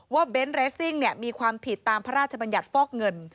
เบนท์เรสซิ่งมีความผิดตามพระราชบัญญัติฟอกเงิน